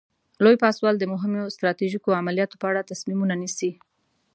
لوی پاسوال د مهمو ستراتیژیکو عملیاتو په اړه تصمیمونه نیسي.